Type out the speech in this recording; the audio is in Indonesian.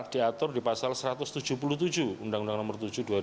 diatur di pasal satu ratus tujuh puluh tujuh undang undang nomor tujuh dua ribu tujuh belas